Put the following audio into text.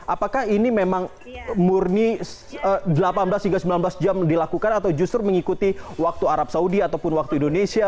apakah ini memang murni delapan belas hingga sembilan belas jam dilakukan atau justru mengikuti waktu arab saudi ataupun waktu indonesia